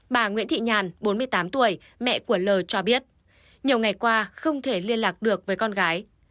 bà nguyễn thị nhàn bốn mươi tám tuổi mẹ của l cho biết nhiều ngày qua không thể liên lạc được với con gái